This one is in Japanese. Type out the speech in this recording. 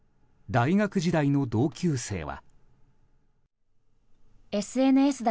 大学時代の同級生は。